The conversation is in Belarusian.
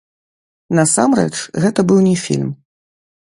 Насамрэч, гэта быў не фільм.